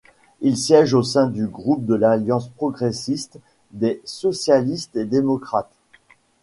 Il siège au sein du groupe de l'Alliance progressiste des socialistes et démocrates.